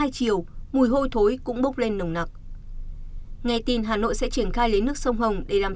hai chiều mùi hôi thối cũng bốc lên nồng nặc nghe tin hà nội sẽ triển khai lấy nước sông hồng để làm